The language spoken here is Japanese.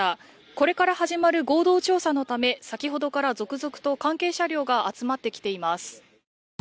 これから始まる合同調査のため先ほどから続々と関係車両が集まってきています。